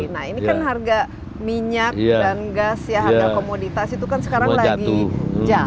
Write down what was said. nah ini kan harga minyak dan gas ya harga komoditas itu kan sekarang lagi jauh